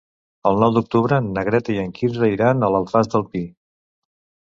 El nou d'octubre na Greta i en Quirze iran a l'Alfàs del Pi.